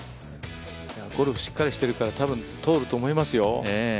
ゴルフしっかりしているから、たぶん通ると思いますよ。